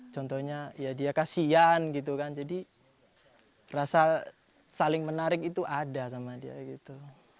contohnya ya dia kasian gitu kan jadi rasa saling menarik itu ada sama dia gitu